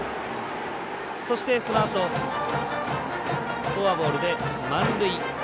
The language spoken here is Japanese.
そして、そのあとフォアボールで満塁。